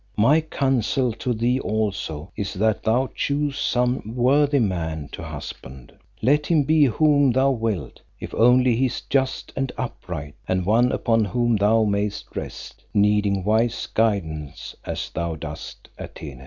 My counsel to thee also is that thou choose some worthy man to husband, let him be whom thou wilt, if only he is just and upright and one upon whom thou mayest rest, needing wise guidance as thou dost, Atene.